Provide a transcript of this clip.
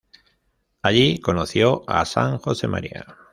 Allí conoció a san Josemaría.